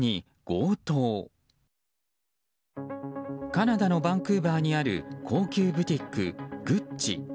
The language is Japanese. カナダのバンクーバーにある高級ブティック、グッチ。